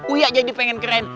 uya jadi pengen keren